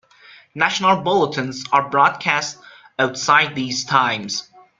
National bulletins are broadcast outside these times.